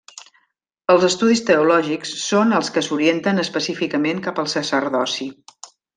Els estudis teològics són els que s’orienten específicament cap al sacerdoci.